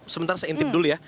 sebentar saya intip dulu ya